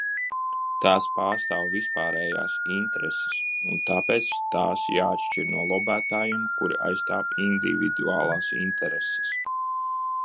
Tās pārstāv vispārējās intereses, un tāpēc tās jāatšķir no lobētājiem, kuri aizstāv individuālas intereses.